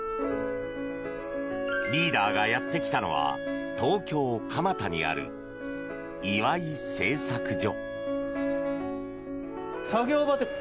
リーダーがやってきたのは東京・蒲田にある岩井製作所。